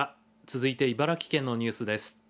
続いて茨城県のニュースです。